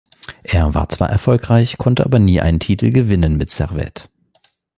Er war zwar erfolgreich, konnte aber nie einen Titel gewinnen mit Servette.